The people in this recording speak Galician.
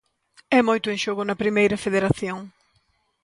E moito en xogo na Primeira Federación.